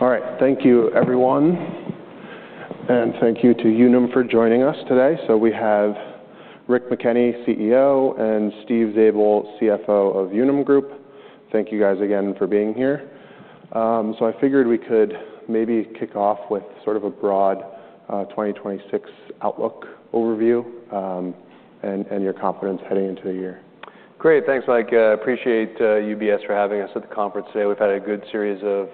All right, thank you, everyone, and thank you to Unum for joining us today. So we have Rick McKenney, CEO, and Steve Zabel, CFO of Unum Group. Thank you, guys, again, for being here. So I figured we could maybe kick off with sort of a broad 2026 outlook overview, and, and your confidence heading into the year. Great. Thanks, Mike. Appreciate UBS for having us at the conference today. We've had a good series of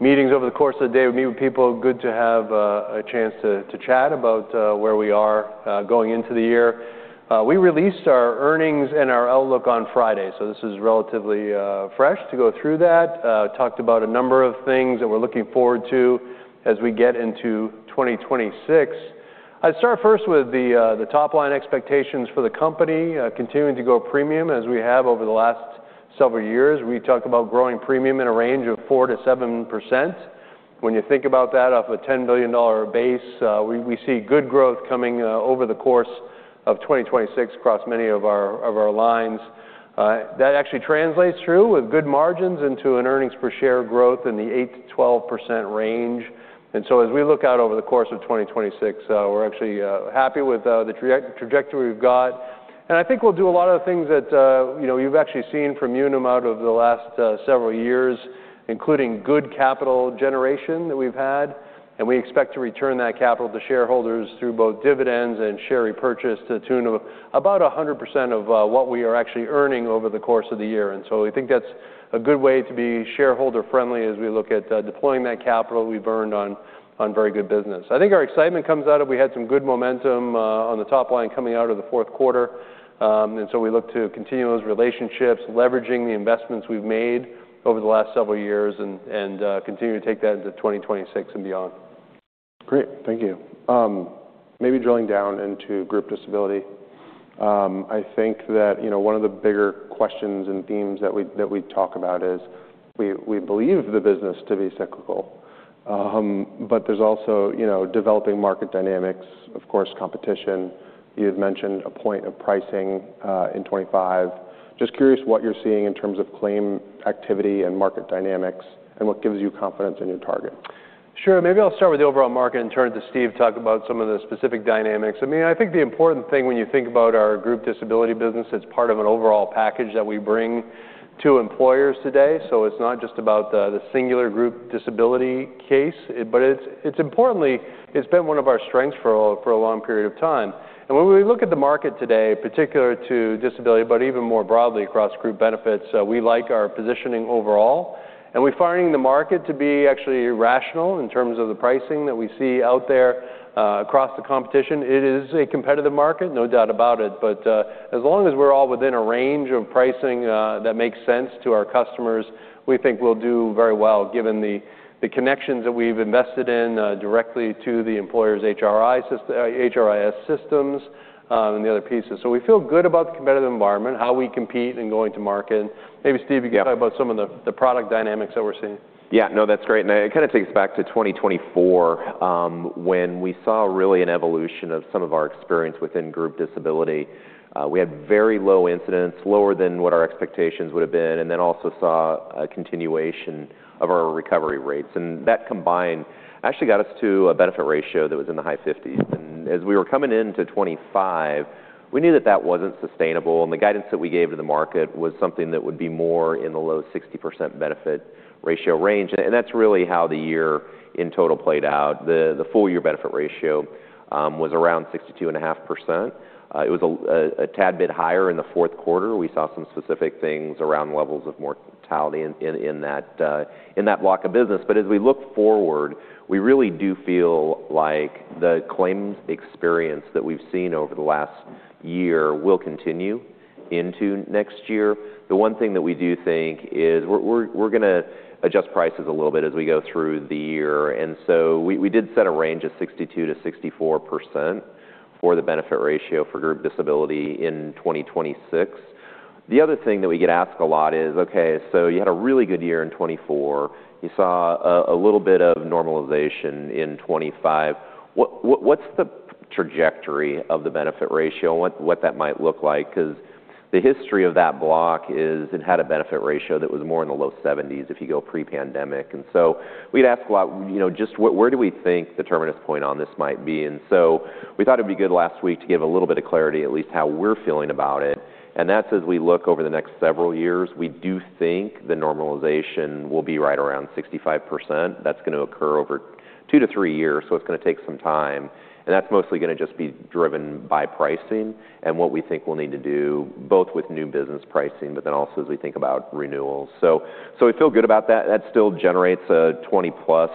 meetings over the course of the day. We meet with people. Good to have a chance to chat about where we are going into the year. We released our earnings and our outlook on Friday, so this is relatively fresh to go through that. Talked about a number of things that we're looking forward to as we get into 2026. I'd start first with the top-line expectations for the company, continuing to go premium as we have over the last several years. We talked about growing premium in a range of 4%-7%. When you think about that, off a $10 billion base, we see good growth coming over the course of 2026 across many of our lines. That actually translates through with good margins into an earnings per share growth in the 8%-12% range. And so as we look out over the course of 2026, we're actually happy with the trajectory we've got. And I think we'll do a lot of the things that, you know, you've actually seen from Unum out over the last several years, including good capital generation that we've had, and we expect to return that capital to shareholders through both dividends and share repurchase to the tune of about 100% of what we are actually earning over the course of the year. And so we think that's a good way to be shareholder-friendly as we look at deploying that capital we've earned on very good business. I think our excitement comes out of we had some good momentum on the top line coming out of the fourth quarter. And so we look to continue those relationships, leveraging the investments we've made over the last several years and continue to take that into 2026 and beyond. Great. Thank you. Maybe drilling down into group disability. I think that, you know, one of the bigger questions and themes that we talk about is we believe the business to be cyclical. But there's also, you know, developing market dynamics, of course, competition. You had mentioned a point of pricing in 2025. Just curious what you're seeing in terms of claim activity and market dynamics and what gives you confidence in your target. Sure. Maybe I'll start with the overall market and turn to Steve to talk about some of the specific dynamics. I mean, I think the important thing when you think about our Group disability business, it's part of an overall package that we bring to employers today, so it's not just about the singular group disability case, but it's importantly, it's been one of our strengths for a long period of time. When we look at the market today, particular to disability, but even more broadly across group benefits, we like our positioning overall, and we're finding the market to be actually rational in terms of the pricing that we see out there across the competition. It is a competitive market, no doubt about it, but as long as we're all within a range of pricing that makes sense to our customers, we think we'll do very well, given the connections that we've invested in directly to the employer's HRIS systems, and the other pieces. So we feel good about the competitive environment, how we compete and going to market. Maybe, Steve, you can talk about some of the product dynamics that we're seeing. Yeah. No, that's great, and it kind of takes back to 2024, when we saw really an evolution of some of our experience within Group Disability. We had very low incidents, lower than what our expectations would have been, and then also saw a continuation of our recovery rates. And that combined actually got us to a benefit ratio that was in the high 50s. And as we were coming into 2025, we knew that that wasn't sustainable, and the guidance that we gave to the market was something that would be more in the low 60% benefit ratio range. And that's really how the year in total played out. The full-year benefit ratio was around 62.5%. It was a tad bit higher in the fourth quarter. We saw some specific things around levels of mortality in that block of business. But as we look forward, we really do feel like the claims experience that we've seen over the last year will continue into next year. The one thing that we do think is we're gonna adjust prices a little bit as we go through the year, and so we did set a range of 62%-64% for the benefit ratio for Group Disability in 2026. The other thing that we get asked a lot is, "Okay, so you had a really good year in 2024. You saw a little bit of normalization in 2025. What, what, what's the trajectory of the benefit ratio and what, what that might look like?" 'Cause the history of that block is it had a benefit ratio that was more in the low 70s if you go pre-pandemic. And so we'd ask a lot, you know, just where do we think the terminus point on this might be? And so we thought it'd be good last week to give a little bit of clarity, at least how we're feeling about it, and that's as we look over the next several years, we do think the normalization will be right around 65%. That's gonna occur over 2-3 years, so it's gonna take some time, and that's mostly gonna just be driven by pricing and what we think we'll need to do, both with new business pricing, but then also as we think about renewals. So, we feel good about that. That still generates a 20+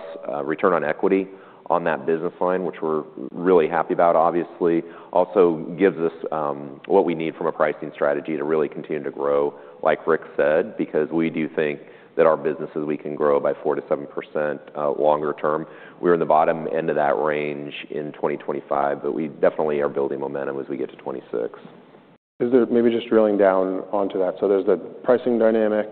return on equity on that business line, which we're really happy about, obviously. Also gives us what we need from a pricing strategy to really continue to grow, like Rick said, because we do think that our business is we can grow by 4%-7% longer-term. We're in the bottom end of that range in 2025, but we definitely are building momentum as we get to 2026. Is there. Maybe just drilling down onto that. So there's the pricing dynamic.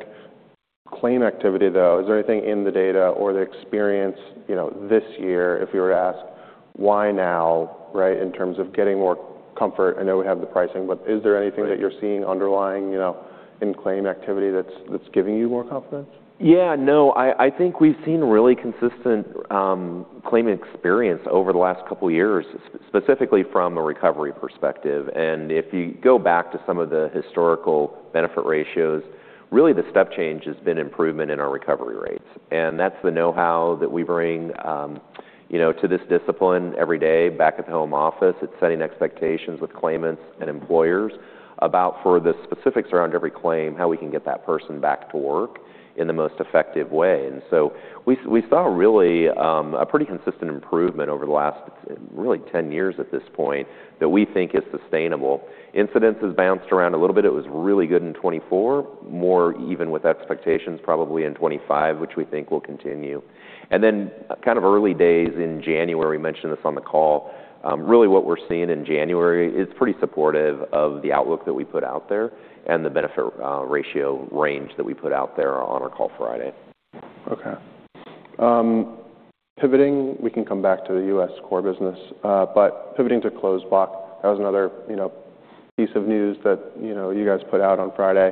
Claim activity, though, is there anything in the data or the experience, you know, this year, if you were to ask?... why now, right? In terms of getting more comfort, I know we have the pricing, but is there anything that you're seeing underlying, you know, in claim activity that's giving you more confidence? Yeah, no, I think we've seen really consistent claim experience over the last couple of years, specifically from a recovery perspective. And if you go back to some of the historical benefit ratios, really the step change has been improvement in our recovery rates, and that's the know-how that we bring, you know, to this discipline every day back at the home office. It's setting expectations with claimants and employers about, for the specifics around every claim, how we can get that person back to work in the most effective way. And so we saw really a pretty consistent improvement over the last really 10 years at this point, that we think is sustainable. Incidence has bounced around a little bit. It was really good in 2024, more even with expectations, probably in 2025, which we think will continue. Then kind of early days in January, we mentioned this on the call. Really what we're seeing in January is pretty supportive of the outlook that we put out there and the benefit ratio range that we put out there on our call Friday. Okay. Pivoting, we can come back to the U.S. core business, but pivoting to Closed Block, that was another, you know, piece of news that, you know, you guys put out on Friday,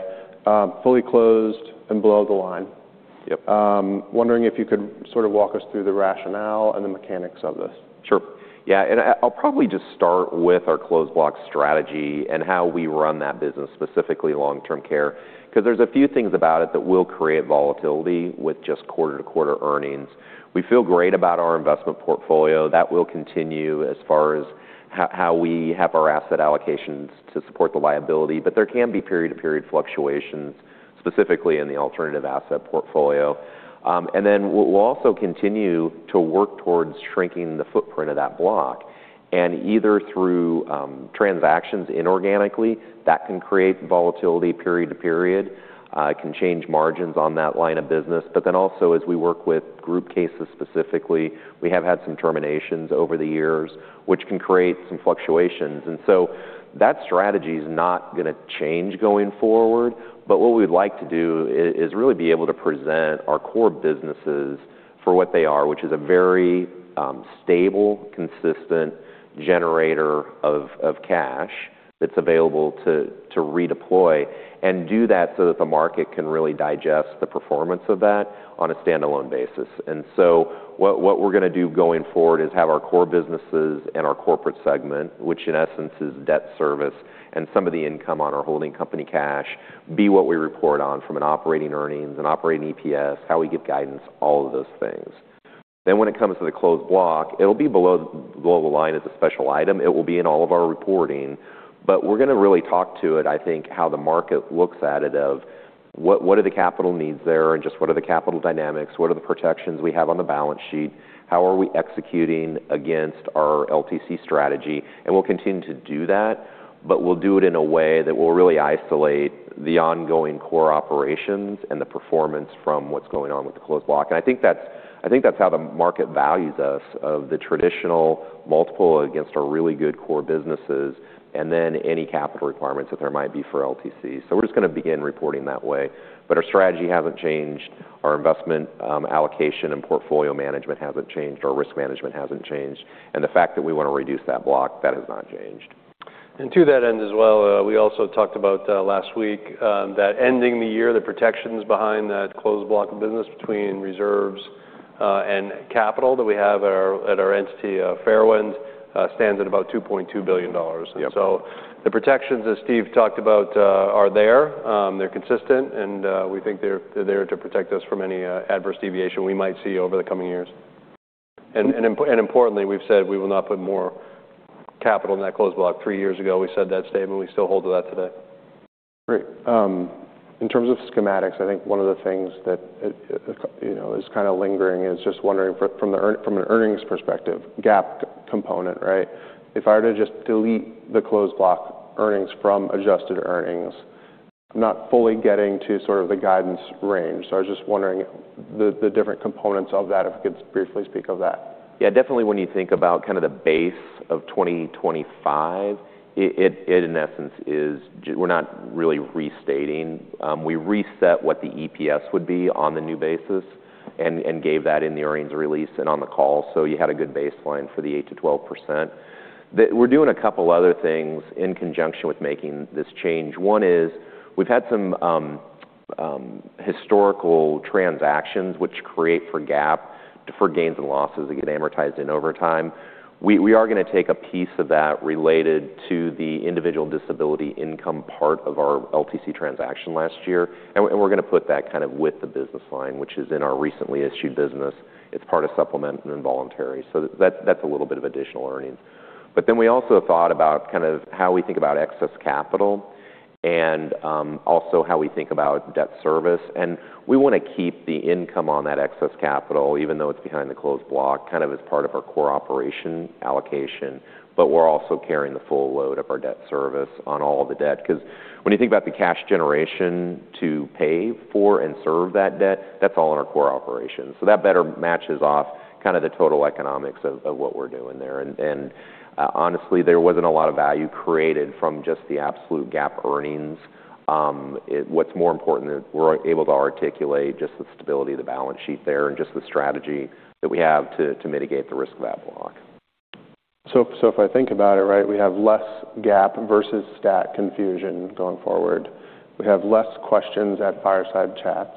fully closed and below the line. Yep. Wondering if you could sort of walk us through the rationale and the mechanics of this? Sure. Yeah, and I'll probably just start with our Closed Block strategy and how we run that business, specifically long-term care, because there's a few things about it that will create volatility with just quarter-to-quarter earnings. We feel great about our investment portfolio. That will continue as far as how we have our asset allocations to support the liability, but there can be period-to-period fluctuations, specifically in the alternative asset portfolio. And then we'll also continue to work towards shrinking the footprint of that block, and either through transactions inorganically, that can create volatility period to period. It can change margins on that line of business. But then also, as we work with Group cases specifically, we have had some terminations over the years, which can create some fluctuations. And so that strategy is not going to change going forward. But what we'd like to do is really be able to present our core businesses for what they are, which is a very, stable, consistent generator of cash that's available to redeploy, and do that so that the market can really digest the performance of that on a standalone basis. And so what we're going to do going forward is have our core businesses and our Corporate segment, which in essence is debt service and some of the income on our holding company cash, be what we report on from an operating earnings, an operating EPS, how we give guidance, all of those things. Then when it comes to the Closed Block, it'll be below the line as a special item. It will be in all of our reporting, but we're going to really talk to it, I think, how the market looks at it, of what, what are the capital needs there and just what are the capital dynamics, what are the protections we have on the balance sheet, how are we executing against our LTC strategy? And we'll continue to do that, but we'll do it in a way that will really isolate the ongoing core operations and the performance from what's going on with the Closed Block. And I think that's, I think that's how the market values us, of the traditional multiple against our really good core businesses, and then any capital requirements that there might be for LTC. So we're just going to begin reporting that way. But our strategy hasn't changed. Our investment, allocation and portfolio management hasn't changed, our risk management hasn't changed, and the fact that we want to reduce that block, that has not changed. To that end as well, we also talked about last week that ending the year, the protections behind that Closed Block of business between reserves and capital that we have at our entity, Fairwind, stands at about $2.2 billion. Yep. So the protections that Steve talked about are there. They're consistent, and we think they're there to protect us from any adverse deviation we might see over the coming years. And importantly, we've said we will not put more capital in that Closed Block. Three years ago, we said that statement. We still hold to that today. Great. In terms of schematics, I think one of the things that, you know, is kind of lingering is just wondering from an earnings perspective, GAAP component, right? If I were to just delete the Closed Block earnings from adjusted earnings, not fully getting to sort of the guidance range. So I was just wondering the, the different components of that, if you could briefly speak of that. Yeah, definitely when you think about kind of the base of 2025, it in essence is we're not really restating. We reset what the EPS would be on the new basis and gave that in the earnings release and on the call, so you had a good baseline for the 8%-12%. We're doing a couple other things in conjunction with making this change. One is we've had some historical transactions which create for GAAP deferred gains and losses that get amortized in over time. We are going to take a piece of that related to the individual disability income part of our LTC transaction last year, and we're going to put that kind of with the business line, which is in our recently issued business. It's part of supplemental and voluntary. So that's a little bit of additional earnings. But then we also thought about kind of how we think about excess capital and also how we think about debt service. And we want to keep the income on that excess capital, even though it's behind the Closed Block, kind of as part of our core operation allocation, but we're also carrying the full load of our debt service on all the debt, because when you think about the cash generation to pay for and serve that debt, that's all in our core operations. So that better matches off kind of the total economics of what we're doing there. And honestly, there wasn't a lot of value created from just the absolute GAAP earnings. What's more important is we're able to articulate just the stability of the balance sheet there and just the strategy that we have to mitigate the risk of that Block. So, so if I think about it, right, we have less GAAP versus stat confusion going forward. We have less questions at fireside chats.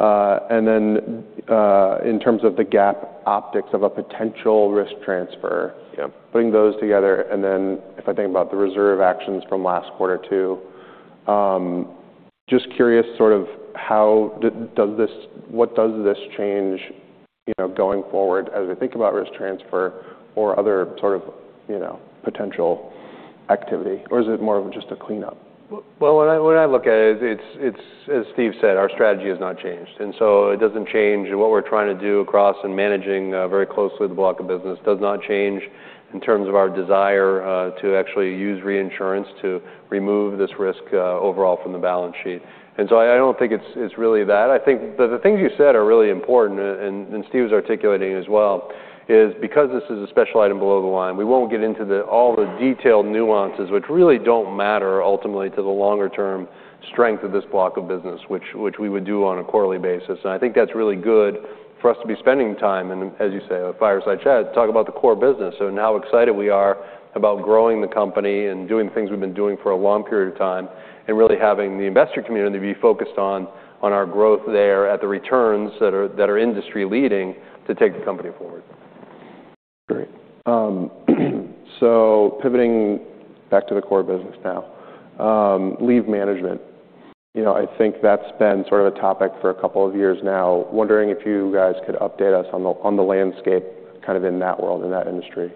And then, in terms of the GAAP optics of a potential risk transfer, you know, putting those together, and then if I think about the reserve actions from last quarter too, just curious sort of how does this what does this change, you know, going forward as I think about risk transfer or other sort of, you know, potential activity? Or is it more of just a cleanup? Well, when I, when I look at it, it's, it's as Steve said, our strategy has not changed, and so it doesn't change. And what we're trying to do across and managing very closely the block of business does not change in terms of our desire to actually use reinsurance to remove this risk overall from the balance sheet. And so I don't think it's, it's really that. I think the, the things you said are really important, and, and Steve's articulating as well, is because this is a special item below the line, we won't get into all the detailed nuances, which really don't matter ultimately to the longer-term strength of this block of business, which, which we would do on a quarterly basis. I think that's really good for us to be spending time, and as you say, a fireside chat, to talk about the core business and how excited we are about growing the company and doing the things we've been doing for a long period of time, and really having the investor community be focused on our growth there at the returns that are industry-leading to take the company forward. Great. So pivoting back to the core business now. Leave Management. You know, I think that's been sort of a topic for a couple of years now. Wondering if you guys could update us on the, on the landscape kind of in that world, in that industry.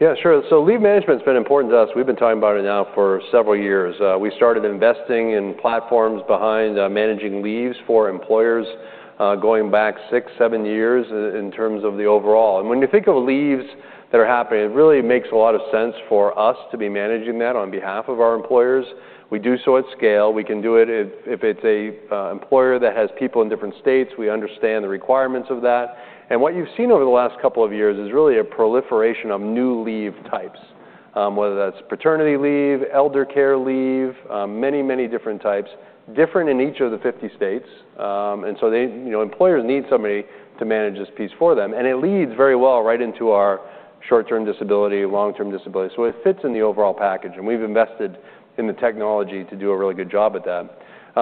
Yeah, sure. So Leave Management's been important to us. We've been talking about it now for several years. We started investing in platforms behind, managing leaves for employers, going back 6, 7 years in terms of the overall. And when you think of leaves that are happening, it really makes a lot of sense for us to be managing that on behalf of our employers. We do so at scale. We can do it if, if it's a, employer that has people in different states, we understand the requirements of that. And what you've seen over the last couple of years is really a proliferation of new leave types, whether that's paternity leave, elder care leave, many, many different types, different in each of the 50 states. And so they. You know, employers need somebody to manage this piece for them, and it leads very well right into our short-term disability, long-term disability. So it fits in the overall package, and we've invested in the technology to do a really good job at that.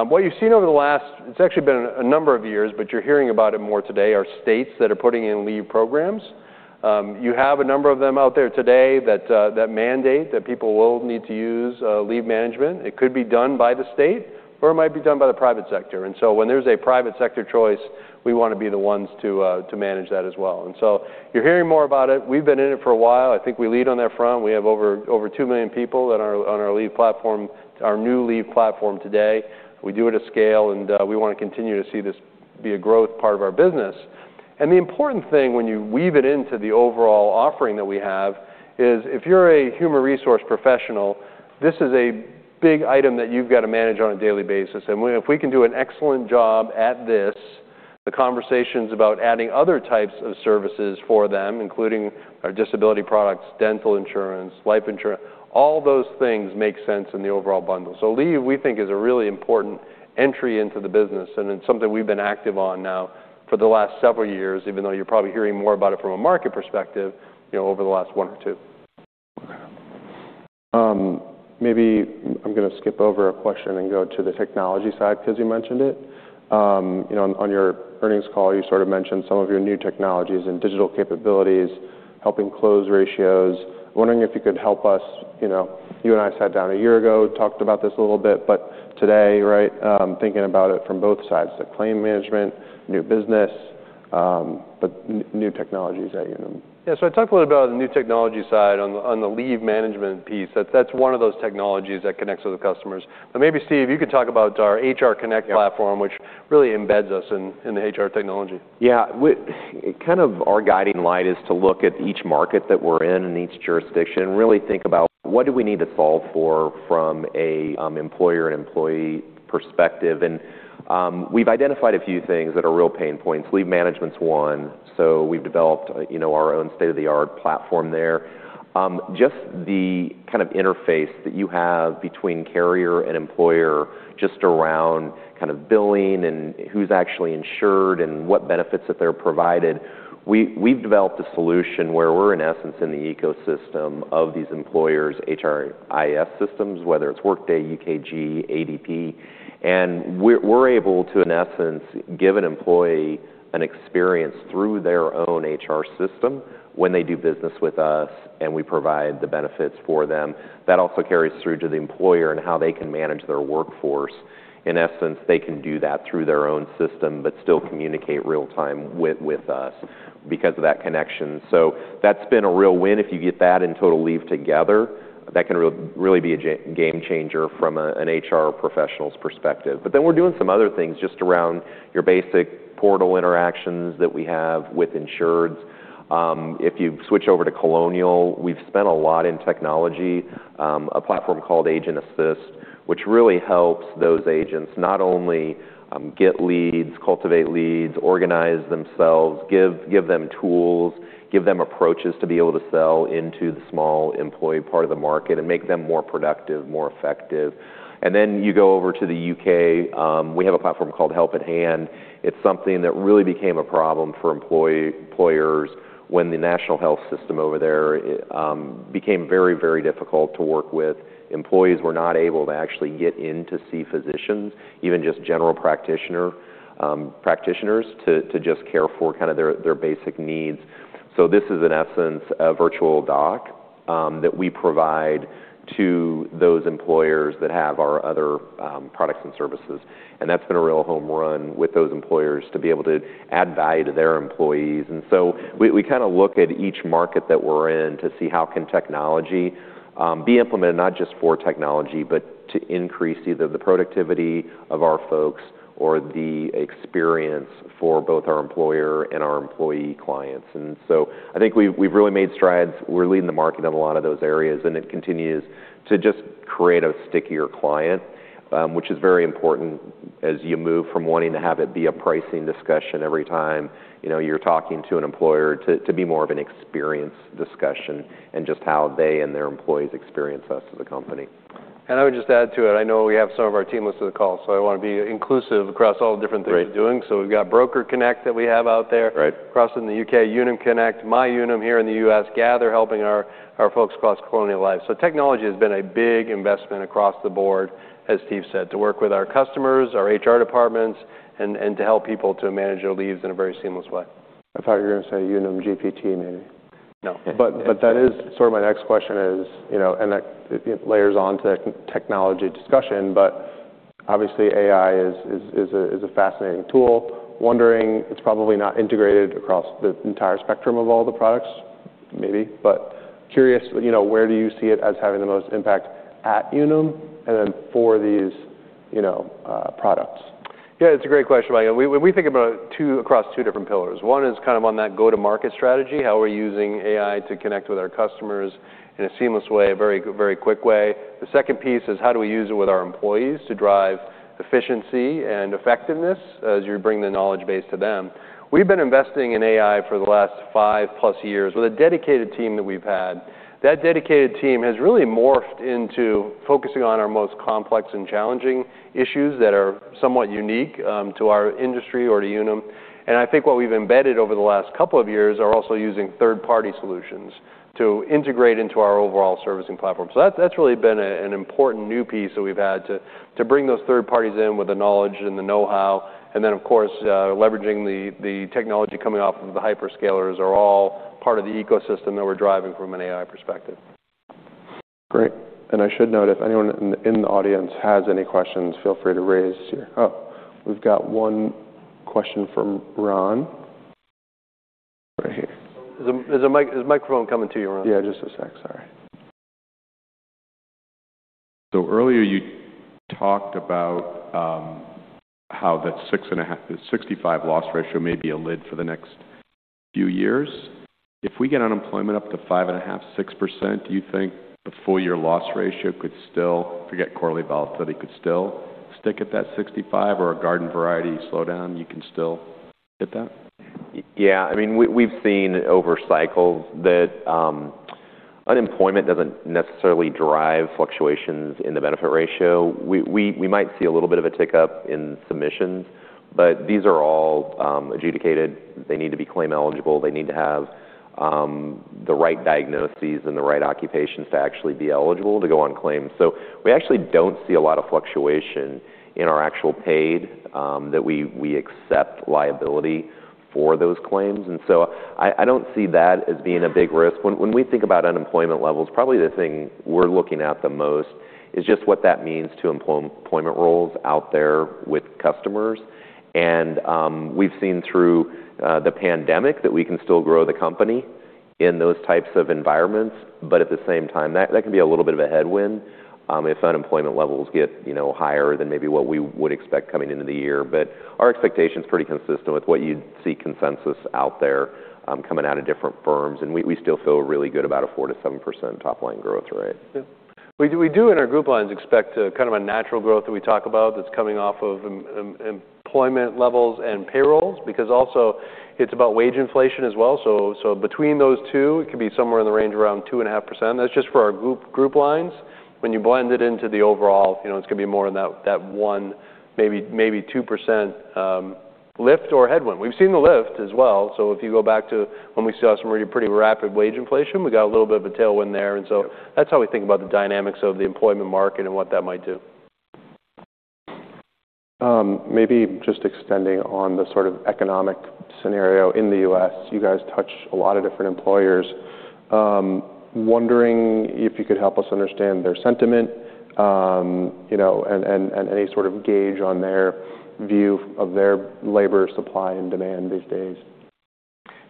What you've seen over the last, it's actually been a number of years, but you're hearing about it more today, are states that are putting in Leave programs. You have a number of them out there today that that mandate, that people will need to use Leave Management. It could be done by the state, or it might be done by the private sector. And so when there's a private sector choice, we want to be the ones to to manage that as well. And so you're hearing more about it. We've been in it for a while. I think we lead on that front. We have over 2 million people on our Leave platform, our new Leave platform today. We do it at scale, and we want to continue to see this be a growth part of our business. And the important thing when you weave it into the overall offering that we have is if you're a human resource professional, this is a big item that you've got to manage on a daily basis. And if we can do an excellent job at this, the conversations about adding other types of services for them, including our Disability products, dental insurance, life insurance, all those things make sense in the overall bundle. Leave, we think, is a really important entry into the business, and it's something we've been active on now for the last several years, even though you're probably hearing more about it from a market perspective, you know, over the last 1 or 2. Maybe I'm going to skip over a question and go to the technology side because you mentioned it. You know, on, on your earnings call, you sort of mentioned some of your new technologies and digital capabilities, helping close ratios. Wondering if you could help us. You know, you and I sat down a year ago, talked about this a little bit, but today, right, thinking about it from both sides, the Claim Management, new business, but new technologies that you know. Yeah, so I talked a little about the new technology side on the, on the Leave Management piece. That's one of those technologies that connects with the customers. But maybe, Steve, you could talk about our HR Connect platform, which really embeds us in, in the HR technology. Yeah. Kind of our guiding light is to look at each market that we're in and each jurisdiction and really think about what do we need to solve for from a employer and employee perspective. And we've identified a few things that are real pain points. Leave Management's one, so we've developed, you know, our own state-of-the-art platform there. Just the kind of interface that you have between carrier and employer, just around kind of billing and who's actually insured and what benefits that they're provided, we've developed a solution where we're, in essence, in the ecosystem of these employers' HRIS systems, whether it's Workday, UKG, ADP. And we're able to, in essence, give an employee an experience through their own HR system when they do business with us, and we provide the benefits for them. That also carries through to the employer and how they can manage their workforce. In essence, they can do that through their own system, but still communicate real time with us because of that connection. So that's been a real win. If you get that and Total Leave together, that can really be a game changer from an HR professional's perspective. But then we're doing some other things just around your basic portal interactions that we have with insureds. If you switch over to Colonial, we've spent a lot in technology, a platform called Agent Assist, which really helps those agents not only get leads, cultivate leads, organize themselves, give them tools, give them approaches to be able to sell into the small employee part of the market and make them more productive, more effective. Then you go over to the U.K., we have a platform called Help@hand. It's something that really became a problem for employers when the national health system over there became very, very difficult to work with. Employees were not able to actually get in to see physicians, even just general practitioners, to just care for kind of their basic needs. This is, in essence, a virtual doc that we provide to those employers that have our other products and services. And that's been a real home run with those employers to be able to add value to their employees. And so we kind of look at each market that we're in to see how can technology be implemented, not just for technology, but to increase either the productivity of our folks or the experience for both our employer and our employee clients. And so I think we've really made strides. We're leading the market in a lot of those areas, and it continues to just create a stickier client, which is very important as you move from wanting to have it be a pricing discussion every time, you know, you're talking to an employer, to be more of an experience discussion and just how they and their employees experience us as a company. I would just add to it, I know we have some of our team listen to the call, so I wanna be inclusive across all the different things we're doing. Great. We've got Broker Connect that we have out there. Right. Across in the U.K., Unum Connect, MyUnum here in the U.S., Gather, helping our folks across Colonial Life. So technology has been a big investment across the board, as Steve said, to work with our customers, our HR departments, and to help people to manage their leaves in a very seamless way. I thought you were gonna say Unum GPT maybe. No. But that is sort of my next question is, you know, and that it layers on to the technology discussion, but obviously, AI is a fascinating tool. Wondering, it's probably not integrated across the entire spectrum of all the products, maybe, but curious, you know, where do you see it as having the most impact at Unum, and then for these, you know, products? Yeah, it's a great question, Mike. We think about across two different pillars. One is kind of on that go-to-market strategy, how we're using AI to connect with our customers in a seamless way, a very, very quick way. The second piece is how do we use it with our employees to drive efficiency and effectiveness as you bring the knowledge base to them? We've been investing in AI for the last 5+ years with a dedicated team that we've had. That dedicated team has really morphed into focusing on our most complex and challenging issues that are somewhat unique to our industry or to Unum. And I think what we've embedded over the last couple of years are also using third-party solutions to integrate into our overall servicing platform. So that's really been an important new piece that we've had to bring those third parties in with the knowledge and the know-how. And then, of course, leveraging the technology coming off of the hyperscalers are all part of the ecosystem that we're driving from an AI perspective. Great. And I should note, if anyone in the audience has any questions, feel free to raise your. Oh, we've got one question from Ron right here. There's a microphone coming to you, Ron. Yeah, just a sec. Sorry. So earlier, you talked about how the 65 loss ratio may be a lid for the next few years. If we get unemployment up to 5.5%-6%, do you think the full year loss ratio could still, forget quarterly volatility, could still stick at that 65 or a garden variety slowdown, you can still hit that? Yeah. I mean, we've seen over cycles that unemployment doesn't necessarily drive fluctuations in the Benefit Ratio. We might see a little bit of a tick-up in submissions, but these are all adjudicated. They need to be claim eligible. They need to have the right diagnoses and the right occupations to actually be eligible to go on claims. So we actually don't see a lot of fluctuation in our actual paid that we accept liability for those claims. And so I don't see that as being a big risk. When we think about unemployment levels, probably the thing we're looking at the most is just what that means to employment roles out there with customers. And we've seen through the pandemic that we can still grow the company in those types of environments. But at the same time, that can be a little bit of a headwind, if unemployment levels get, you know, higher than maybe what we would expect coming into the year. But our expectation is pretty consistent with what you'd see consensus out there, coming out of different firms, and we still feel really good about a 4%-7% top line growth rate. Yeah. We do, we do in our group lines, expect a kind of a natural growth that we talk about that's coming off of employment levels and payrolls, because also it's about wage inflation as well. So, between those two, it could be somewhere in the range of around 2.5%. That's just for our group lines. When you blend it into the overall, you know, it's gonna be more in that one, maybe 2% lift or headwind. We've seen the lift as well, so if you go back to when we saw some pretty rapid wage inflation, we got a little bit of a tailwind there. Yeah. And so that's how we think about the dynamics of the employment market and what that might do. Maybe just extending on the sort of economic scenario in the U.S., you guys touch a lot of different employers. Wondering if you could help us understand their sentiment, you know, and any sort of gauge on their view of their labor supply and demand these days.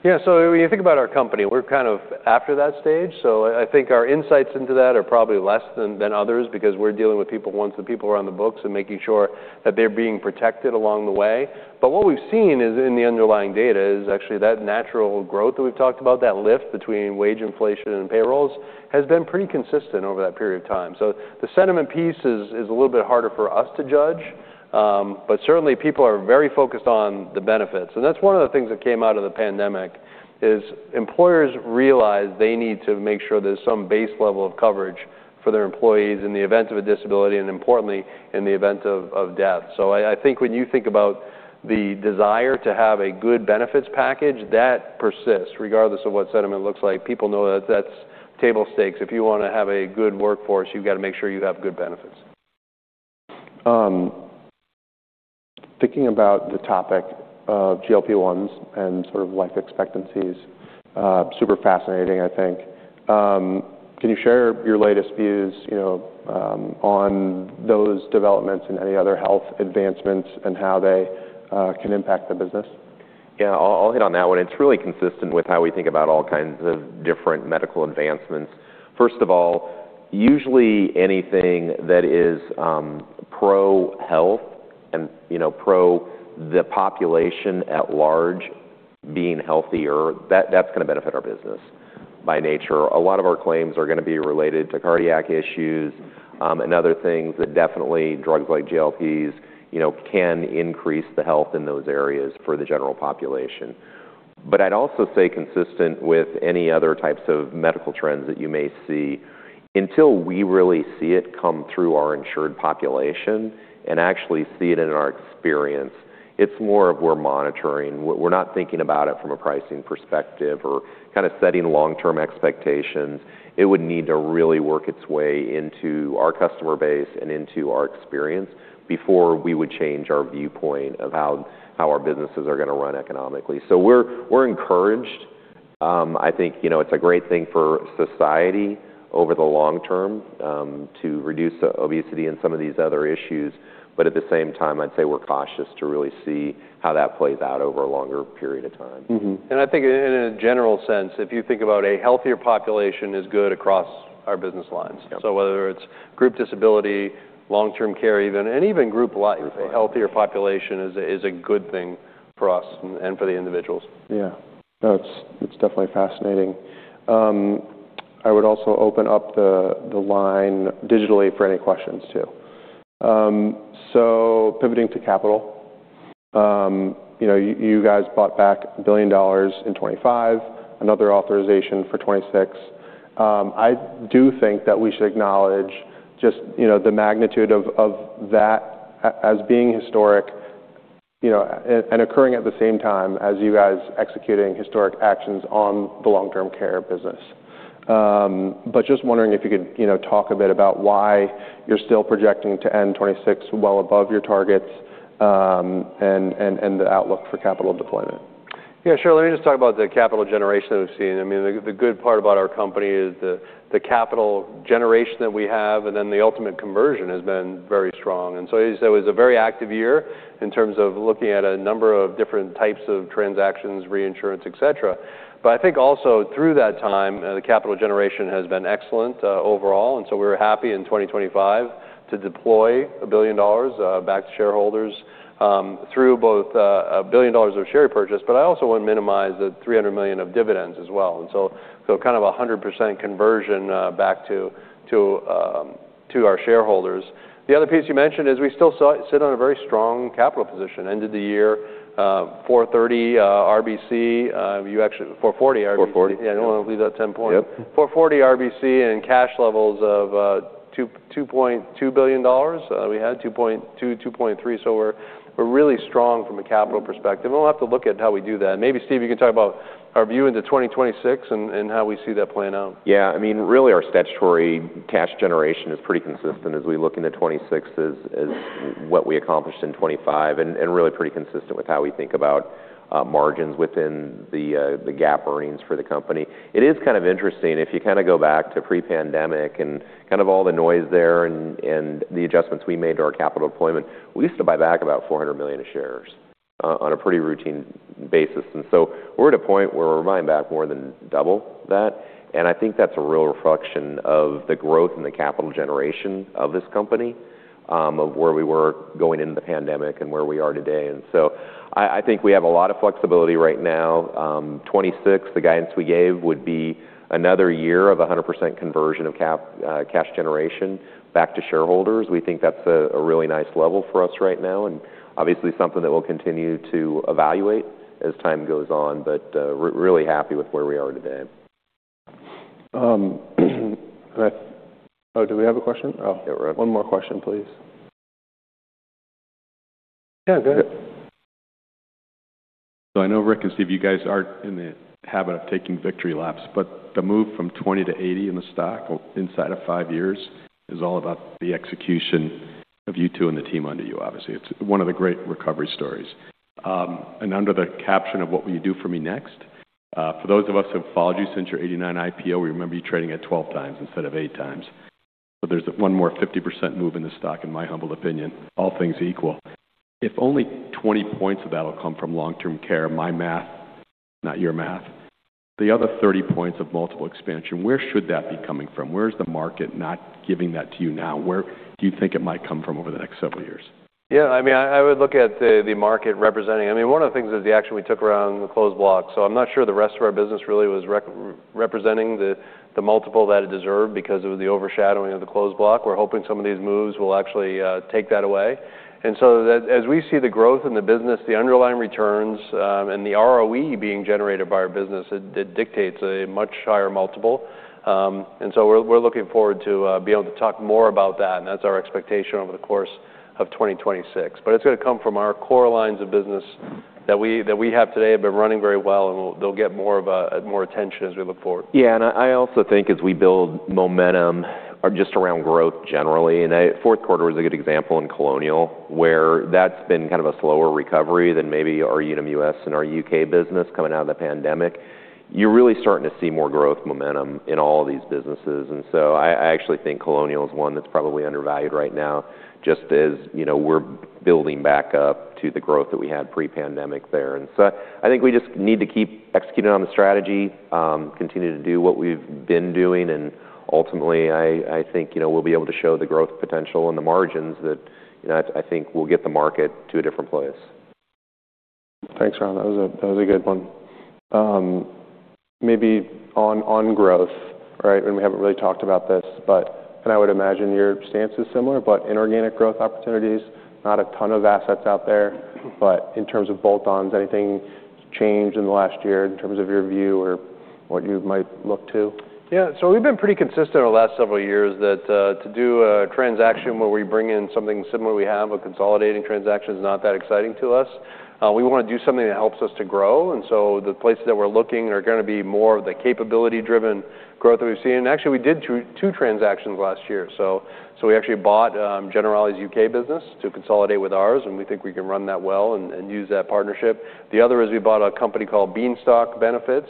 Yeah, so when you think about our company, we're kind of after that stage. So I think our insights into that are probably less than others because we're dealing with people once the people are on the books and making sure that they're being protected along the way. But what we've seen in the underlying data is actually that natural growth that we've talked about, that lift between wage inflation and payrolls, has been pretty consistent over that period of time. So the sentiment piece is a little bit harder for us to judge, but certainly, people are very focused on the benefits. And that's one of the things that came out of the pandemic: employers realized they need to make sure there's some base level of coverage for their employees in the event of a Disability, and importantly, in the event of death. So I think when you think about the desire to have a good benefits package, that persists regardless of what sentiment looks like. People know that that's table stakes. If you wanna have a good workforce, you've got to make sure you have good benefits. Thinking about the topic of GLP-1s and sort of life expectancies, super fascinating, I think. Can you share your latest views, you know, on those developments and any other health advancements and how they can impact the business? Yeah, I'll hit on that one. It's really consistent with how we think about all kinds of different medical advancements. First of all, usually anything that is pro-health and, you know, pro the population at large being healthier, that's going to benefit our business. By nature, a lot of our claims are going to be related to cardiac issues and other things that definitely drugs like GLPs, you know, can increase the health in those areas for the general population. But I'd also say consistent with any other types of medical trends that you may see, until we really see it come through our insured population and actually see it in our experience, it's more of we're monitoring. We're not thinking about it from a pricing perspective or kind of setting long-term expectations. It would need to really work its way into our customer base and into our experience before we would change our viewpoint of how our businesses are going to run economically. So we're encouraged. I think, you know, it's a great thing for society over the long-term to reduce the obesity and some of these other issues. But at the same time, I'd say we're cautious to really see how that plays out over a longer period of time. And I think in a general sense, if you think about a healthier population is good across our business lines. Yeah. Whether it's Group Disability, long-term care even, and even group life- Group life... a healthier population is a good thing for us and for the individuals. Yeah. No, it's, it's definitely fascinating. I would also open up the line digitally for any questions, too. So pivoting to capital, you know, you guys bought back $1 billion in 2025, another authorization for 2026. I do think that we should acknowledge just, you know, the magnitude of that as being historic, you know, and occurring at the same time as you guys executing historic actions on the long-term care business. But just wondering if you could, you know, talk a bit about why you're still projecting to end 2026 well above your targets, and the outlook for capital deployment. Yeah, sure. Let me just talk about the capital generation that we've seen. I mean, the good part about our company is the capital generation that we have, and then the ultimate conversion has been very strong. And so it was a very active year in terms of looking at a number of different types of transactions, reinsurance, et cetera. But I think also through that time, the capital generation has been excellent, overall, and so we were happy in 2025 to deploy $1 billion back to shareholders through both $1 billion of share purchase. But I also wouldn't minimize the $300 million of dividends as well, and so, so kind of a 100% conversion back to our shareholders. The other piece you mentioned is we still sit on a very strong capital position. Ended the year, 430 RBC. Actually, 440 RBC. Four forty. Yeah, I don't want to leave that 10 point. Yep. 440 RBC and cash levels of $2.2 billion. We had $2.2 billion-$2.3 billion, so we're really strong from a capital perspective, and we'll have to look at how we do that. Maybe, Steve, you can talk about our view into 2026 and how we see that playing out. Yeah. I mean, really, our statutory cash generation is pretty consistent as we look into 2026, as, as what we accomplished in 2025, and, and really pretty consistent with how we think about margins within the GAAP earnings for the company. It is kind of interesting. If you kind of go back to pre-pandemic and kind of all the noise there and, and the adjustments we made to our capital deployment, we used to buy back about 400 million of shares on a pretty routine basis. And so we're at a point where we're buying back more than double that, and I think that's a real reflection of the growth in the capital generation of this company, of where we were going into the pandemic and where we are today. I think we have a lot of flexibility right now. 2026, the guidance we gave would be another year of 100% conversion of cash generation back to shareholders. We think that's a really nice level for us right now, and obviously, something that we'll continue to evaluate as time goes on, but really happy with where we are today. Oh, do we have a question? Oh, yeah, we're- One more question, please. Yeah, go ahead. So I know, Rick and Steve, you guys aren't in the habit of taking victory laps, but the move from 20-80 in the stock inside of five years is all about the execution of you two and the team under you, obviously. It's one of the great recovery stories. And under the caption of what will you do for me next? For those of us who have followed you since your 1989 IPO, we remember you trading at 12x instead of 8x. So there's one more 50% move in the stock, in my humble opinion, all things equal. If only 20 points of that will come from long-term care, my math, not your math, the other 30 points of multiple expansion, where should that be coming from? Where is the market not giving that to you now? Where do you think it might come from over the next several years? Yeah, I mean, I would look at the market representing... I mean, one of the things is the action we took around the Closed Block. So I'm not sure the rest of our business really was representing the multiple that it deserved because of the overshadowing of the Closed Block. We're hoping some of these moves will actually take that away. And so as we see the growth in the business, the underlying returns, and the ROE being generated by our business, it dictates a much higher multiple. And so we're looking forward to be able to talk more about that, and that's our expectation over the course of 2026. But it's going to come from our core lines of business. that we have today have been running very well, and they'll get more attention as we look forward. Yeah, and I also think as we build momentum just around growth generally, and fourth quarter was a good example in Colonial, where that's been kind of a slower recovery than maybe our Unum U.S. and our U.K. business coming out of the pandemic. You're really starting to see more growth momentum in all of these businesses, and so I actually think Colonial is one that's probably undervalued right now, just as, you know, we're building back up to the growth that we had pre-pandemic there. And so I think we just need to keep executing on the strategy, continue to do what we've been doing, and ultimately, I think, you know, we'll be able to show the growth potential and the margins that, you know, I think will get the market to a different place. Thanks, Ron. That was a, that was a good one. Maybe on, on growth, right? And we haven't really talked about this, but... and I would imagine your stance is similar, but inorganic growth opportunities, not a ton of assets out there. But in terms of bolt-ons, anything changed in the last year in terms of your view or what you might look to? Yeah, so we've been pretty consistent over the last several years that, to do a transaction where we bring in something similar we have, a consolidating transaction is not that exciting to us. We wanna do something that helps us to grow, and so the places that we're looking are gonna be more of the capability-driven growth that we've seen. And actually, we did two, two transactions last year. So, we actually bought Generali's U.K. business to consolidate with ours, and we think we can run that well and use that partnership. The other is we bought a company called Beanstalk Benefits.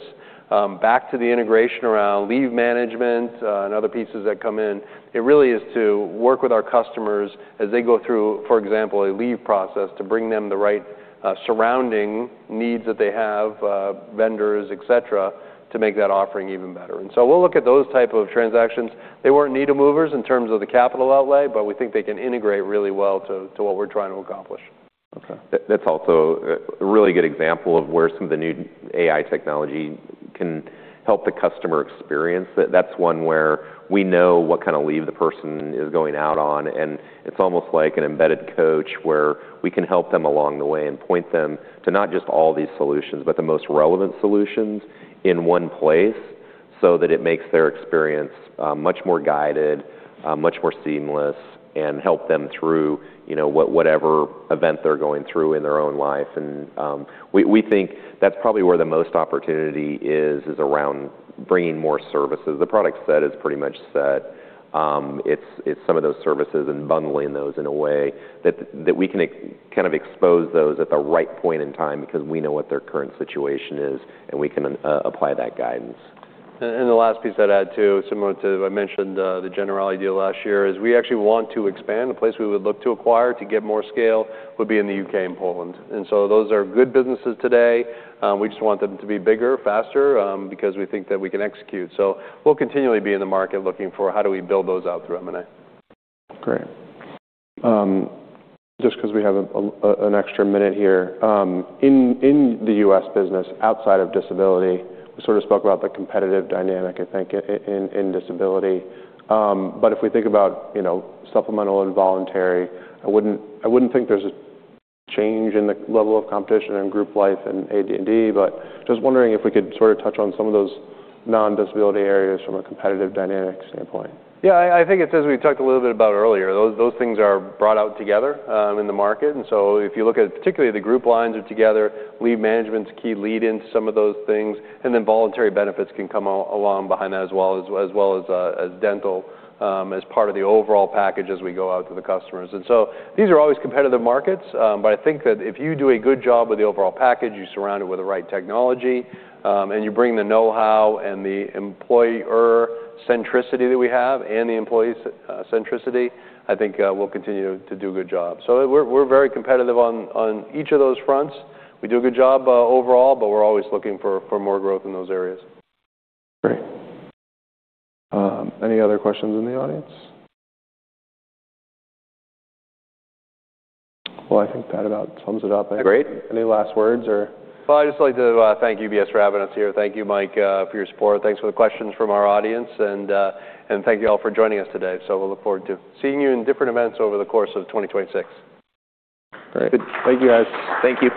Back to the integration around leave management and other pieces that come in, it really is to work with our customers as they go through, for example, a leave process, to bring them the right surrounding needs that they have, vendors, et cetera, to make that offering even better. And so we'll look at those type of transactions. They weren't needle movers in terms of the capital outlay, but we think they can integrate really well to what we're trying to accomplish. Okay. That's also a really good example of where some of the new AI technology can help the customer experience. That's one where we know what kind of leave the person is going out on, and it's almost like an embedded coach, where we can help them along the way and point them to not just all these solutions, but the most relevant solutions in one place, so that it makes their experience much more guided, much more seamless, and help them through, you know, whatever event they're going through in their own life. We think that's probably where the most opportunity is around bringing more services. The product set is pretty much set. It's some of those services and bundling those in a way that we can kind of expose those at the right point in time because we know what their current situation is, and we can apply that guidance. And, and the last piece I'd add, too, similar to I mentioned, the Generali deal last year, is we actually want to expand. A place we would look to acquire to get more scale would be in the U.K. and Poland. And so those are good businesses today. We just want them to be bigger, faster, because we think that we can execute. So we'll continually be in the market looking for how do we build those out through M&A. Great. Just 'cause we have an extra minute here. In the U.S. business, outside of disability, we sort of spoke about the competitive dynamic, I think, in Disability. But if we think about, you know, supplemental and voluntary, I wouldn't, I wouldn't think there's a change in the level of competition in group life and AD&D, but just wondering if we could sort of touch on some of those non-disability areas from a competitive dynamic standpoint. Yeah, I think it's as we talked a little bit about earlier, those things are brought out together in the market. And so if you look at particularly the group lines are together, leave management's a key lead into some of those things, and then voluntary benefits can come along behind that as well as dental as part of the overall package as we go out to the customers. And so these are always competitive markets, but I think that if you do a good job with the overall package, you surround it with the right technology, and you bring the know-how and the employer centricity that we have and the employee's centricity, I think we'll continue to do a good job. So we're very competitive on each of those fronts. We do a good job overall, but we're always looking for more growth in those areas. Great. Any other questions in the audience? Well, I think that about sums it up. Great. Any last words or? Well, I'd just like to thank UBS for having us here. Thank you, Mike, for your support. Thanks for the questions from our audience, and thank you all for joining us today. So we'll look forward to seeing you in different events over the course of 2026. Great. Thank you, guys. Thank you.